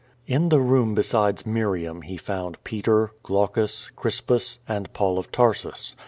In the room besides Miriam he found Peter, Glaucus, Cris pus, and Paul of Tareus.